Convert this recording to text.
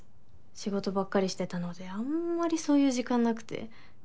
仕事ばっかりしてたのであんまりそういう時間なくて。